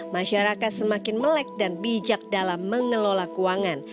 masyarakat semakin melek dan bijak dalam mengelola keuangan